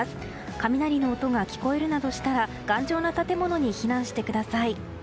雷の音が聞こえるなどしたら頑丈な建物に避難してください。